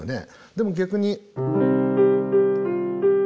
でも逆に。